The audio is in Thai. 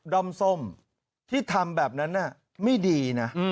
้อมส้มที่ทำแบบนั้นไม่ดีนะ